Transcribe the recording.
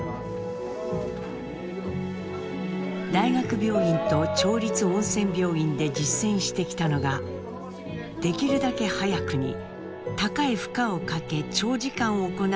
大学病院と町立温泉病院で実践してきたのができるだけ早くに高い負荷をかけ長時間行うリハビリでした。